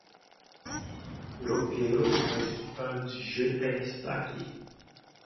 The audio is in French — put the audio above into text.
Le héros principal du jeu est Saki.